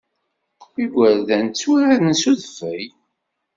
Igerdan tturaren s udfel.